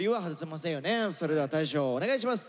それでは大昇お願いします。